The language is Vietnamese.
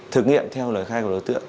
thực nghiệm theo lời khai của đối tượng